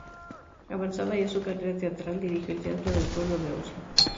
Avanzada ya su carrera teatral, dirigió el Teatro del Pueblo de Oslo.